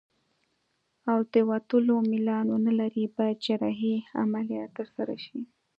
او د وتلو میلان ونلري باید جراحي عملیه ترسره شي.